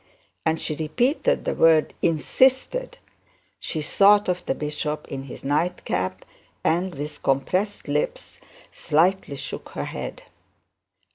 As she repeated that word 'insisted', she thought of the bishop in his night cap, and with compressed lips slightly shook her head.